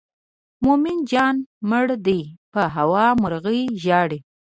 مومن جان مړ دی په هوا مرغۍ ژاړي.